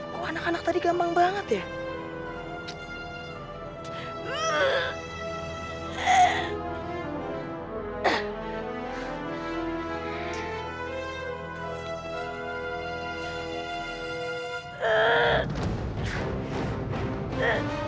oh anak anak tadi gampang banget ya